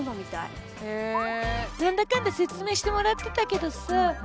なんだかんだ説明してもらってたけどさ